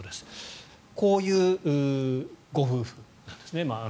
こういうご夫婦なんですね。